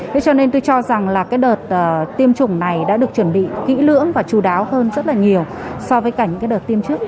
cho nên tôi cho rằng đợt tiêm chủng này đã được chuẩn bị kỹ lưỡng và chú đáo hơn rất nhiều so với cả những đợt tiêm trước